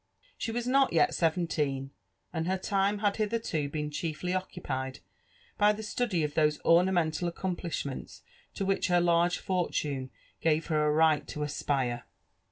She was not yet seventeen, and her time had hitherto i)eeQ chiefly occupied by the study of those ornan)ental accoRipli^XQcnli t^ which her large fortune gave her 9 right tp aapire.